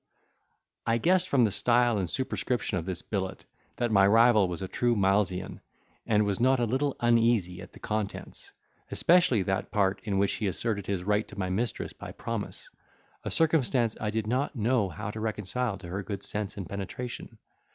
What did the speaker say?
I guessed, from the style and superscription of this billet, that my rival was a true Milesian, and was not a little uneasy at the contents; especially that part, in which he asserted his right to my mistress by promise, a circumstance I did not not know how to reconcile to her good sense and penetration.